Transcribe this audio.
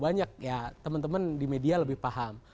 banyak ya teman teman di media lebih paham